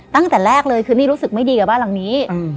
ตั้งแต่แรกเลยคือนี่รู้สึกไม่ดีกับบ้านหลังนี้